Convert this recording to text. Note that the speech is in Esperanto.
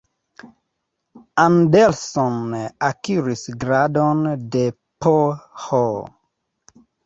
Anderson akiris gradon de Ph.